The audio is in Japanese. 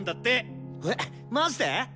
えっマジで！？